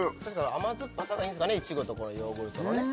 甘酸っぱさがいいんですかねいちごとヨーグルトのね